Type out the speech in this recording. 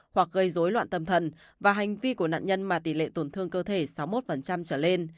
hoặc gây dối loạn tâm thần và hành vi của nạn nhân mà tỷ lệ tổn thương cơ thể sáu mươi một trở lên